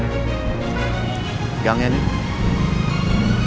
no misalnya pak